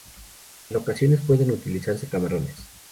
En ocasiones pueden utilizarse camarones.